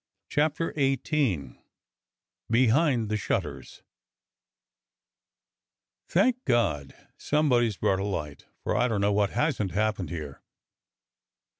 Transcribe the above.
CHAPTER XVIII BEHIND THE SHUTTERS THANK God somebody's brought a light, for I don't know what hasn't happened here.